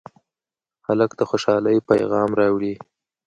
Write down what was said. هلک د خوشالۍ پېغام راوړي.